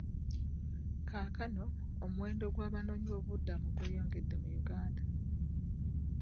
Kaakano, omuwendo gw'abanoonyiboobubudamu gweyongedde mu Uganda.